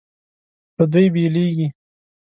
له دوی بېلېږي.